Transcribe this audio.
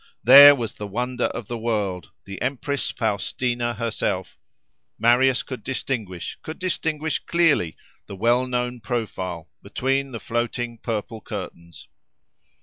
there, was the wonder of the world—the empress Faustina herself: Marius could distinguish, could distinguish clearly, the well known profile, between the floating purple curtains.